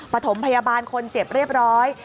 ปฐมพยาบาลคนเจ็บเรียบร้อย